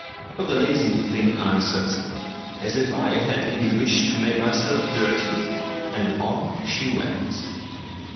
But the lazy thing answered, "As if I had any wish to make myself dirty?" and on she went.